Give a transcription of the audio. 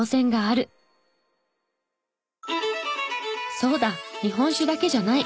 そうだ日本酒だけじゃない。